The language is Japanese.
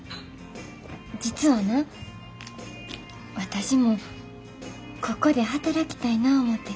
実はな私もここで働きたいなぁ思て。